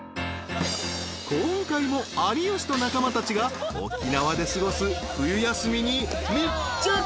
［今回も有吉と仲間たちが沖縄で過ごす冬休みに密着］